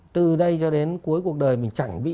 từ đây cho đến cuối cuộc đời mình chẳng bị